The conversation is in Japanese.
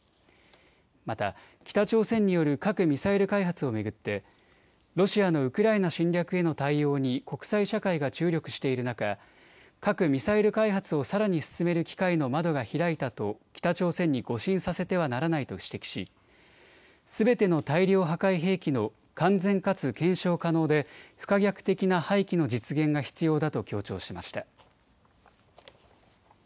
また北朝鮮による核・ミサイル開発を巡ってロシアのウクライナ侵略への対応に国際社会が注力している中、核・ミサイル開発をさらに進める機会の窓が開いたと北朝鮮に誤信させてはならないと指摘しすべての大量破壊兵器の完全かつ検証可能で不可逆的な廃棄の実現が必要だと強調しました。